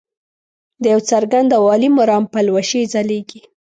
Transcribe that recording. د یو څرګند او عالي مرام پلوشې ځلیږي.